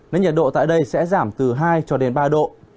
nên nhiệt độ tại đây sẽ giảm từ hai cho đến ba độ